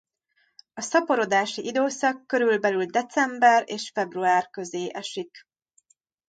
A szaporodási időszak körülbelül december és február közé esik.